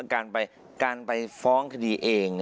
การไปฟ้องคดีเอง